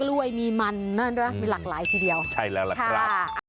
กล้วยมีมันนั่นนะมีหลากหลายทีเดียวใช่แล้วล่ะครับ